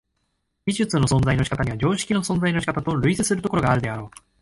技術の存在の仕方には常識の存在の仕方と類似するところがあるであろう。